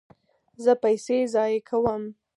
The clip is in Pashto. زه پیسې ضایع کوم